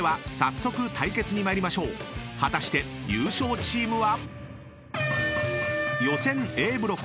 ［果たして優勝チームは？］